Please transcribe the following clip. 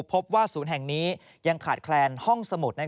พบว่าศูนย์แห่งนี้ยังขาดแคลนห้องสมุด